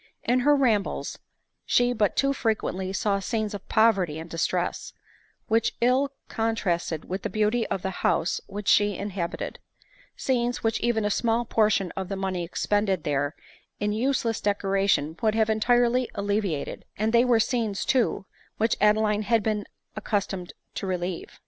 In her rambles she but too frequently saw scenes of poverty and distress, which ill contrasted with the beauty of the house which she inhabited ; scenes, which even a small portion of the money expended there m useless decoration would have entirely alleviated ; and they were scenes too, which Adeline had been accustom ed to relieve.